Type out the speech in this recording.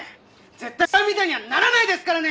絶対に先輩みたいにはならないですからね！！